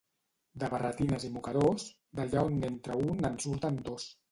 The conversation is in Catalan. De barretines i mocadors, d'allà on n'entra un en surten dos.